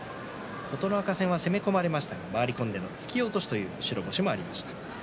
琴ノ若戦は攻め込まれましたが回り込んで突き落としという白星がありました。